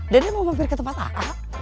dede mau mampir ke tempat a a